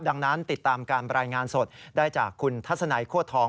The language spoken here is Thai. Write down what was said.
ดังนั้นติดตามการรายงานสดได้จากคุณทัศนัยโคตรทอง